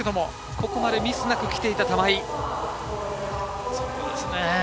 ここまでミスなくきていた玉井。